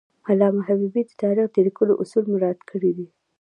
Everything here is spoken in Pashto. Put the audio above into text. علامه حبیبي د تاریخ د لیکلو اصول مراعات کړي دي.